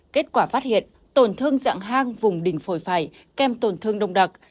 kết quả phát hiện tổn thương dạng hang vùng đỉnh phổi phải kem tổn thương đông đặc